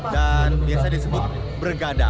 dan biasa disebut bergada